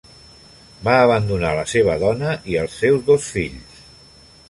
Va abandonar la seva dona i els seus dos fills.